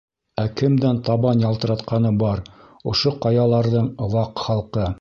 Ә кемдән табан ялтыратҡаны бар ошо ҡаяларҙың Ваҡ Халҡы?